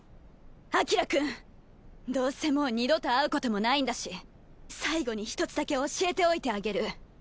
アキラ君どうせもう二度と会うこともないんだし最後に一つだけ教えておいてあげる。